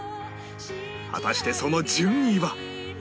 果たしてその順位は？